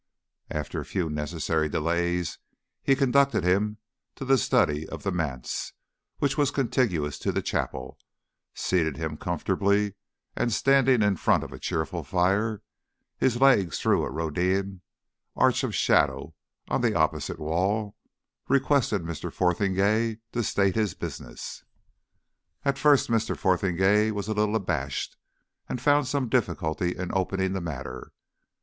After a few necessary delays, he conducted him to the study of the Manse, which was contiguous to the chapel, seated him comfortably, and, standing in front of a cheerful fire his legs threw a Rhodian arch of shadow on the opposite wall requested Mr. Fotheringay to state his business. At first Mr. Fotheringay was a little abashed, and found some difficulty in opening the matter.